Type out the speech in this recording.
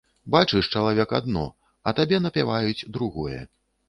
Бачыш чалавек адно, а табе напяваюць другое.